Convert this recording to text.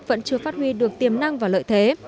vẫn chưa phát huy được tiềm năng và lợi thế